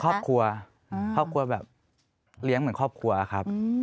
ครอบครัวครอบครัวแบบเลี้ยงเหมือนครอบครัวครับ